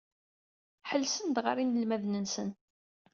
Ḥellsen-d ɣer yinelmaden-nsen.